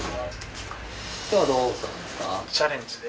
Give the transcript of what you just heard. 今日はどうされますか？